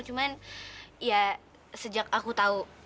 cuman ya sejak aku tahu